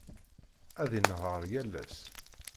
Ad inehheṛ yal ass.